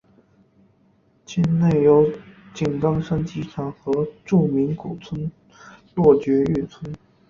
境内有井冈山机场和著名古村落爵誉村。